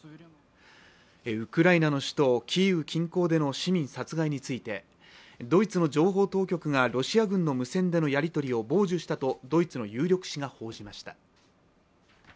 ウクライナの首都キーウ近郊での市民殺害についてドイツの情報当局がロシア軍の無線でのやり取りを傍受したとドイツの有力誌が報じました。